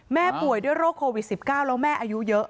ป่วยด้วยโรคโควิด๑๙แล้วแม่อายุเยอะ